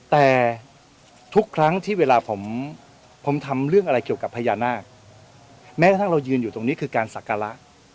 แต่ทุกครั้งที่เวลาผมทำเรื่องอะไรเกี่ยวกับพญานาคแม้กระทั่งเรายืนอยู่ตรงนี้คือการศักระ